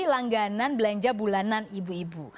langganan belanja bulanan ibu ibu